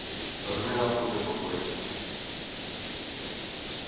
Velmi nás to znepokojuje.